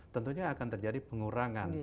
tentunya akan terjadi pengurangan